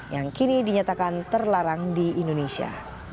yang kini dinyatakan terlarang di indonesia